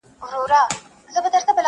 o پيشي هم د کېس مېرمن سوه٫